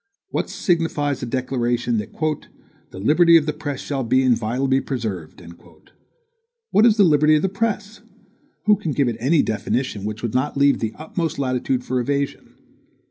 What signifies a declaration, that "the liberty of the press shall be inviolably preserved"? What is the liberty of the press? Who can give it any definition which would not leave the utmost latitude for evasion?